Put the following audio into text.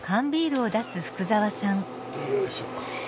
よいしょ。